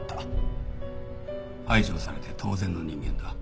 排除されて当然の人間だ。